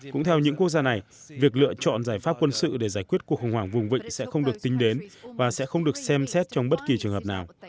cũng theo những quốc gia này việc lựa chọn giải pháp quân sự để giải quyết cuộc khủng hoảng vùng vịnh sẽ không được tính đến và sẽ không được xem xét trong bất kỳ trường hợp nào